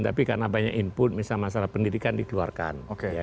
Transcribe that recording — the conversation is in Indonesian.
tapi karena banyak input misalnya masalah pendidikan dikeluarkan